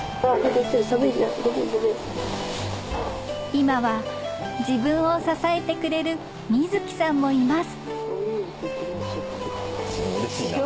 今は自分を支えてくれる弥姫さんもいます